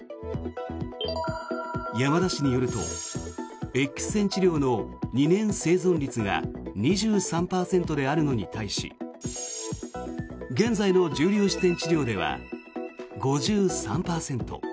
山田氏によるとＸ線治療の２年生存率が２３％であるのに対し現在の重粒子線治療では５３％。